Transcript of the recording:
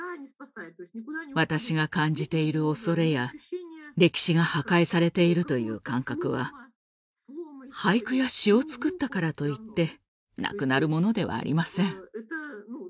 私が感じている恐れや歴史が破壊されているという感覚は俳句や詩を作ったからといってなくなるものではありません。